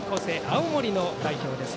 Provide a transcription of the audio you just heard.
青森の代表です。